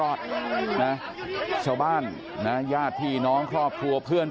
โกงบันไอ้พี่น้องครอบครัวเพื่อนร่วมงานจิต